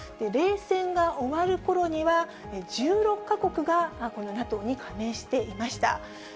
冷戦が終わるころには、１６か国がこのＮＡＴＯに加盟していました。